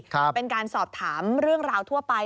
เป็นการสอบถามเรื่องราวทั่วไป